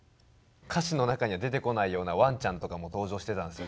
歌詞の中には出てこないようなワンちゃんとかも登場してたんですよ。